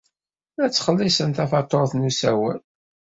La ttxelliṣeɣ tafatuṛt n usawal.